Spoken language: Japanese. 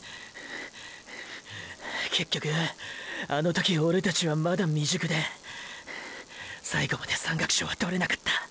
結局ーーあの時オレたちはまだ未熟で最後まで山岳賞はとれなかったーー。